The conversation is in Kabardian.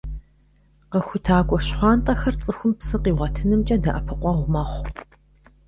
«КъэхутакӀуэ щхъуантӀэхэр» цӀыхум псы къигъуэтынымкӀэ дэӀэпыкъуэгъу мэхъу.